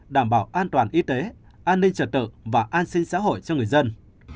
đảm bảo an toàn y tế an ninh trật tự và an sinh xã hội cho người dân